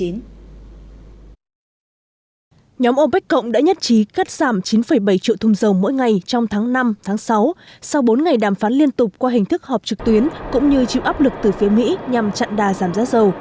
nhóm opec cộng đã nhất trí cắt giảm chín bảy triệu thùng dầu mỗi ngày trong tháng năm tháng sáu sau bốn ngày đàm phán liên tục qua hình thức họp trực tuyến cũng như chịu áp lực từ phía mỹ nhằm chặn đà giảm giá dầu